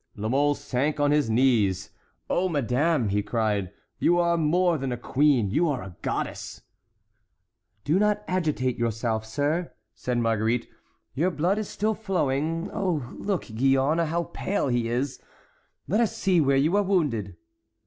La Mole sank on his knees. "Oh, madame," he cried, "you are more than a queen—you are a goddess!" "Do not agitate yourself, sir," said Marguerite, "your blood is still flowing. Oh, look, Gillonne, how pale he is—let us see where you are wounded."